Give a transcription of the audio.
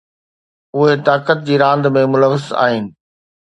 اهي طاقت جي راند ۾ ملوث آهن.